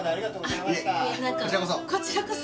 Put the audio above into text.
いえこちらこそ。